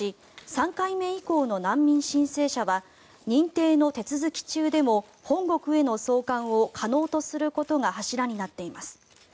３回目以降の難民申請者は認定の手続き中でも本国への送還を可能とすることが柱になっています。